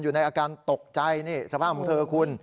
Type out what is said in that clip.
อยู่ในอาการตกใจนี่สภาพของเธอคุณ